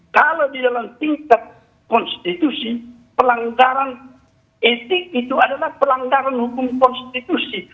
kalau di dalam tingkat konstitusi pelanggaran etik itu adalah pelanggaran hukum konstitusi